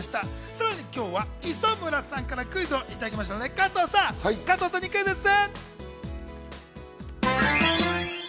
さらに今日は磯村さんからクイズをいただきましたので、加藤さんにクイズッス。